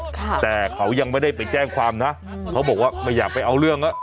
แต่เขายังไม่ได้ไปแจ้งความนะเขาบอกว่าไม่อยากไปเอาเรื่องอ่ะ